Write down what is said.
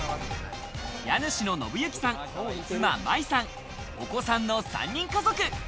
家主の信行さん、妻・五月さん、お子さんの３人家族。